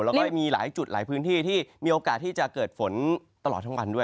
แล้วก็มีหลายจุดหลายพื้นที่ที่มีโอกาสที่จะเกิดฝนตลอดทั้งวันด้วย